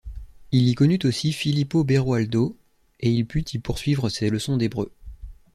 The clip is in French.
Il y connut aussi Filippo Beroaldo, et il put y poursuivre ses leçons d'hébreu.